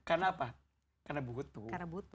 karena apa karena butuh